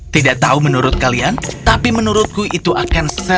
tidak tahu menurut kalian tapi menurutku itu akan selesai